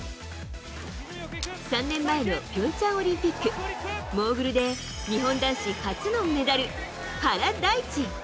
３年前の平昌オリンピックモーグルで日本男子初のメダル、原大智。